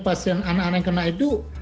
pasien anak anak yang kena itu